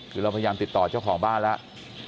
คือเราพยายามติดต่อเจ้าของบ้านแล้ว